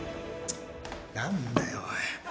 何だよおい。